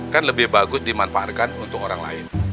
kan lebih bagus dimanfaatkan untuk orang lain